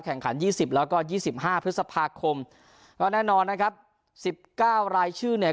แข่งขัน๒๐แล้วก็๒๕พฤษภาคมก็แน่นอนนะครับ๑๙รายชื่อเนี่ย